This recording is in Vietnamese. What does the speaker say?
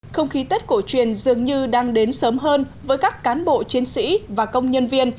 không khí tết cổ truyền dường như đang đến sớm hơn với các cán bộ chiến sĩ và công nhân viên